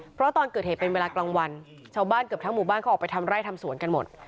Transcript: เพราะตอนเกิดเหตุเป็นเวลากลางวันชาวบ้านเกือบทั้งหมู่บ้านเขาออกไปทำไร่ทำสวนกันหมด